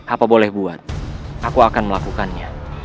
apa boleh buat aku akan melakukannya